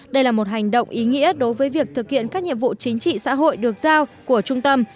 đây là một hành động ý nghĩa đối với việc thực hiện các nhiệm vụ chính trị xã hội được giao của trung tâm